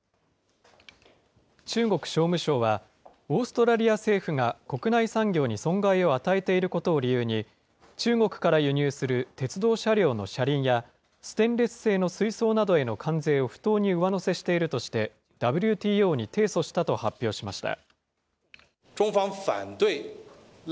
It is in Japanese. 中国商務省は、オーストラリア政府が国内産業に損害を与えていることを理由に、中国から輸入する鉄道車両の車輪や、ステンレス製の水槽などへの関税を不当に上乗せしているとして、ＷＴＯに提訴したと発表しました。